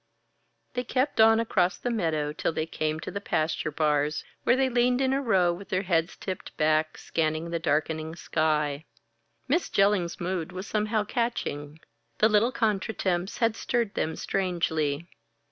They kept on across the meadow till they came to the pasture bars, where they leaned in a row with their heads tipped back, scanning the darkening sky. Miss Jellings's mood was somehow catching; the little contretemps had stirred them strangely.